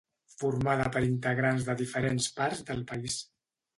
Formada per integrants de diferents parts del país.